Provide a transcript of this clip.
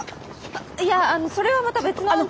あいやあのそれはまた別の案件。